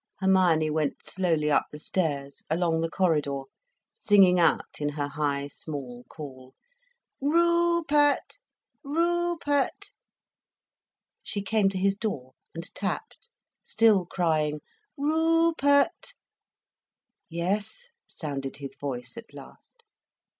Hermione went slowly up the stairs, along the corridor, singing out in her high, small call: "Ru oo pert! Ru oo pert!" She came to his door, and tapped, still crying: "Roo pert." "Yes," sounded his voice at last.